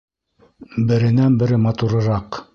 Беренән-бере матурыраҡ!